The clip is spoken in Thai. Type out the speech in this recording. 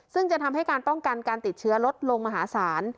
ซึ่งจะทำให้การป้องกันการติดเชื้อลดลงมหาศาล